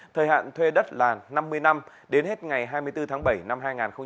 thời hạn thuê đất là năm mươi năm đến hết ngày hai mươi bốn tháng bảy năm hai nghìn hai mươi